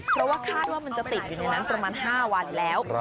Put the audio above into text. เพราะว่าคาดว่ามันจะติดอยู่ในนั้นประมาณ๕วันแล้ว